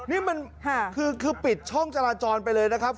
นี่มันคือปิดช่องจราจรไปเลยนะครับ